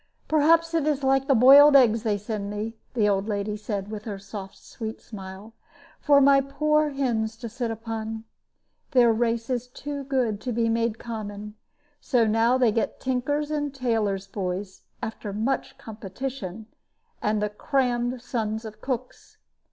"Perhaps it is like the boiled eggs they send me," the old lady said, with her soft sweet smile, "for my poor hens to sit upon. Their race is too good to be made common. So now they get tinkers' and tailors' boys, after much competition, and the crammed sons of cooks.